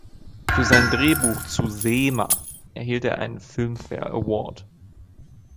Für sein Drehbuch zu "Seema" erhielt er einen Filmfare Award.